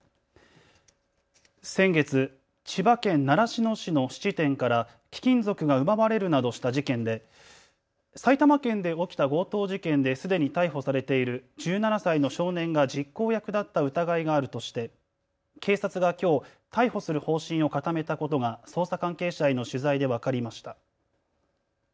先月、千葉県習志野市の質店から貴金属が奪われるなどした事件で埼玉県で起きた強盗事件ですでに逮捕されている１７歳の少年が実行役だった疑いがあるとして警察がきょう逮捕する方針を固めたことが捜査関係者への取材で分かりました。